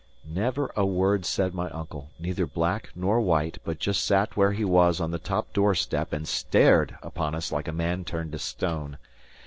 Never a word said my uncle, neither black nor white; but just sat where he was on the top door step and stared upon us like a man turned to stone.